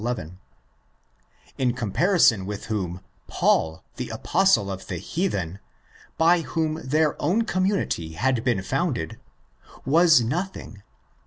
11), in comparison with whom Paul, the Apostle of the heathen, by whom their own community had been founded, was nothing.